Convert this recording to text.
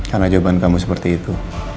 karena jawaban kamu seperti itu